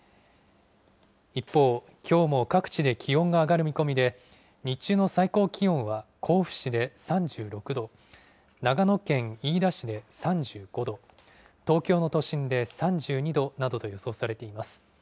一方、きょうも各地で気温が上がる見込みで、日中の最高気温は甲府市で３６度、長野県飯田市で３５度、東京の都心で３２度などと予想されています。